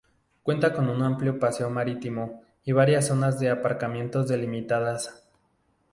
Cuenta con un amplio paseo marítimo y varias zonas de aparcamiento delimitadas.